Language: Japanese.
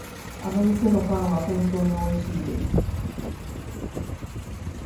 あの店のパンは本当においしいです。